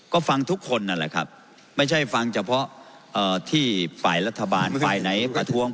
ก็ฟังทุกคนนั่นแหละครับไม่ใช่ฟังเฉพาะที่ฝ่ายรัฐบาลฝ่ายไหนประท้วง